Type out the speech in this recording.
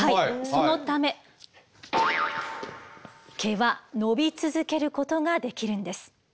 そのため毛は伸び続けることができるんです。